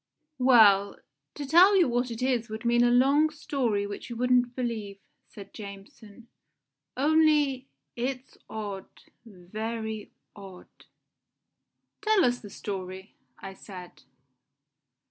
"Well, to tell you what it is would mean a long story which you wouldn't believe," said Jameson; "only it's odd very odd." "Tell us the story," I said.